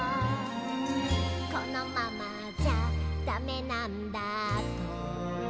「このままじゃダメなんだと」